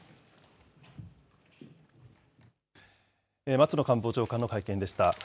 松野官房長官の会見でした。